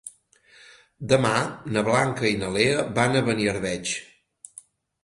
Demà na Blanca i na Lea van a Beniarbeig.